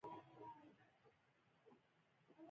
ایتیوپیایي متل وایي دوست دښمن کېدلی شي.